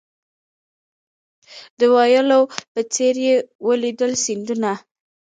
د ویالو په څېر یې ولیدل سیندونه